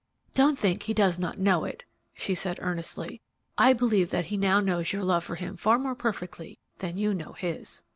"Don't think he does not know it," she said, earnestly. "I believe that he now knows your love for him far more perfectly than you know his."